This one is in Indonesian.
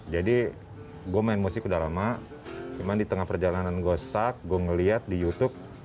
jadi gue main musik udah lama cuman di tengah perjalanan gue stuck gue ngeliat di youtube